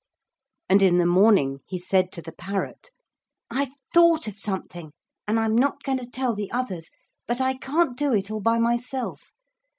And in the morning he said to the parrot: 'I've thought of something. And I'm not going to tell the others. But I can't do it all by myself.